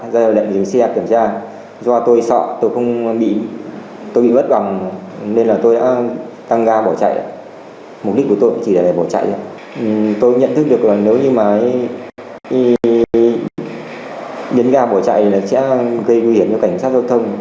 do lệnh dưới xe kiểm tra do tôi sợ tôi bị bất bằng nên tôi đã tăng ga bỏ chạy